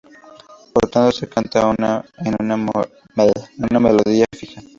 Por tanto, se canta en una melodía fija.